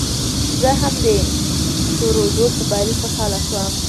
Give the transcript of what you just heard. زه هم د ترودو په بري خوشاله شوم.